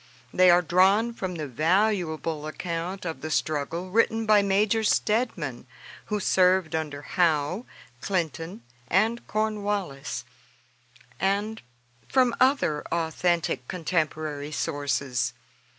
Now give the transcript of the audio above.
They are drawn from the valuable account of the struggle written by Major Steadman, who served under Howe, Clinton, and Cornwallis, and from other authentic contemporary sources.